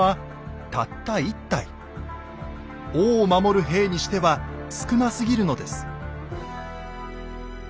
王を守る兵にしては少なすぎるのです。